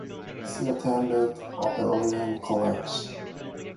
She attended Oberlin College.